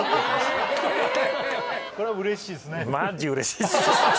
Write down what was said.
これはうれしいっすね？